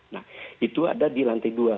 nah itu ada di lantai dua